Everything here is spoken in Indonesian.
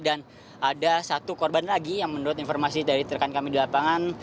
dan ada satu korban lagi yang menurut informasi dari terekan kami di lapangan